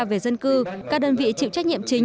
về dân cư các đơn vị chịu trách nhiệm chính